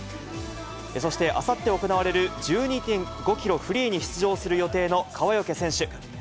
そしてあさって行われる１２．５キロフリーに出場する予定の川除選手。